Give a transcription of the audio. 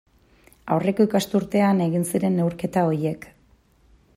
Aurreko ikasturtean egin ziren neurketa horiek.